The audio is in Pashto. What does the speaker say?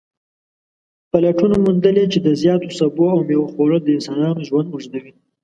پلټنو موندلې چې د زیاتو سبو او میوو خوړل د انسانانو ژوند اوږدوي